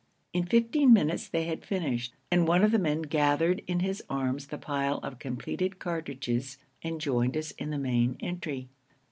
In fifteen minutes they had finished, and one of the men gathered in his arms the pile of completed cartridges and joined us in the main entry.